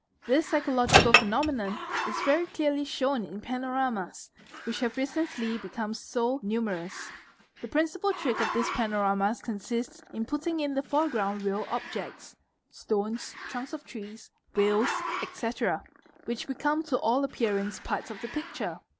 This psychological phenomenon is very clearly shown in panoramas, which have recently become so numerous ; the principle trick of these panoramas consists in putting in the foreground real objects (stones, trunks of trees, wheels, etc.) which become to all appearance parts of the: picture.